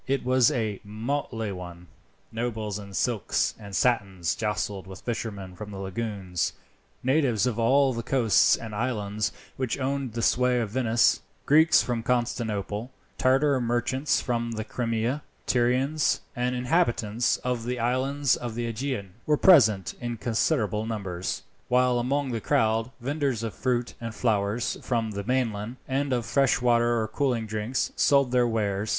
It was a motley one. Nobles in silks and satins jostled with fishermen of the lagoons. Natives of all the coasts and islands which owned the sway of Venice, Greeks from Constantinople, Tartar merchants from the Crimea, Tyrians, and inhabitants of the islands of the Aegean, were present in considerable numbers; while among the crowd, vendors of fruit and flowers from the mainland, and of fresh water or cooling drinks, sold their wares.